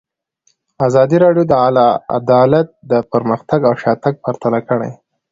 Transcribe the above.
ازادي راډیو د عدالت پرمختګ او شاتګ پرتله کړی.